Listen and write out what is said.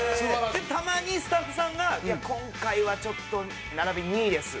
たまにスタッフさんが「いや今回はちょっと並び２位です」。